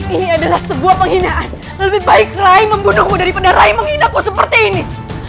ini adalah sebuah penghinaan lebih baik rai membunuhku daripada rai menghina ku seperti ini